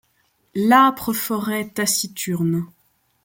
L’âpre forêt taciturne